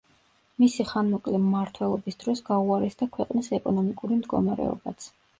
მისი ხანმოკლე მმართველობის დროს გაუარესდა ქვეყნის ეკონომიკური მდგომარეობაც.